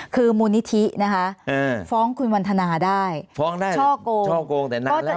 คือมูลนิธิฟ้องคุณวันทนาได้ช่อกงช่อกงแต่นานแล้ว